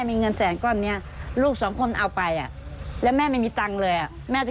แม่คุณต้องการอะไรมาบอกแม่